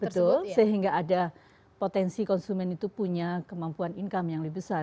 betul sehingga ada potensi konsumen itu punya kemampuan income yang lebih besar